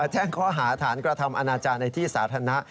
แจ้งข้อหาฐานกระทำอนาจารย์ในที่สาธารณะ